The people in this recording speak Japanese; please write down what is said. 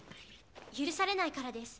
許されないからです